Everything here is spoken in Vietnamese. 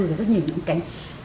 rồi rất nhiều những cái